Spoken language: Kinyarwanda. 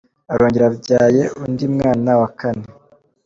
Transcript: , arongera abyaye undi mwana wa kane.